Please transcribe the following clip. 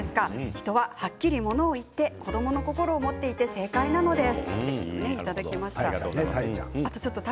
人ははっきりものを言って子どもの心を持っていて正解なのです。